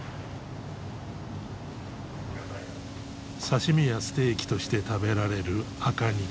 刺身やステーキとして食べられる赤肉。